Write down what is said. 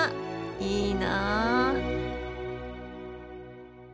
いいなあ。